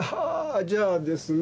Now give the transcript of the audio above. じゃあですね。